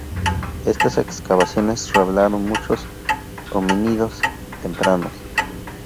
Estas excavaciones revelaron muchos homínidos tempranos.